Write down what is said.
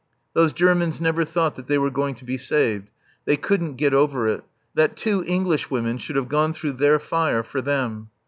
Those Germans never thought that they were going to be saved. They couldn't get over it that two Englishwomen should have gone through their fire, for them!